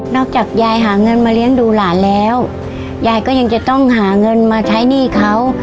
จากยายหาเงินมาเลี้ยงดูหลานแล้วยายก็ยังจะต้องหาเงินมาใช้หนี้เขา